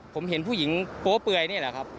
ผมเห็นผู้หญิงโป๊เปื่อยนี่แหละครับ